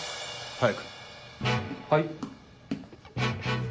はい。